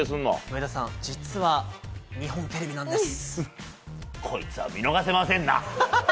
上田さん、実は日本テレビなこいつは見逃せませんな。